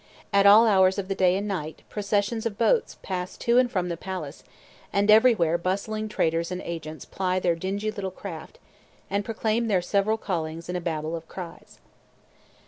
At all hours of the day and night processions of boats pass to and from the palace, and everywhere bustling traders and agents ply their dingy little craft, and proclaim their several callings in a Babel of cries.